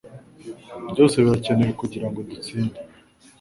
byose birakenewe kugirango dutsinde.